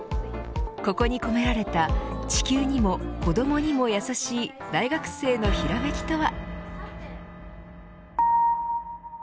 ここに込められた地球にも子どもにも優しい大学生のひらめきとは。